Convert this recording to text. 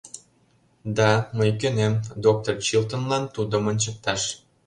— Да, мый кӧнем... доктыр Чилтонлан... тудым ончыкташ.